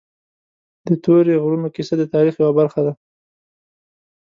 د تورې غرونو کیسه د تاریخ یوه برخه ده.